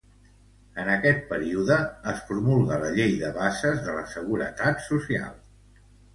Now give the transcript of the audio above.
En aquest període es promulga la Llei de Bases de la Seguretat Social.